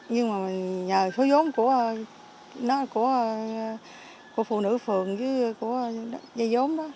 nhưng mà nhờ số giống của phụ nữ phường với dây giống đó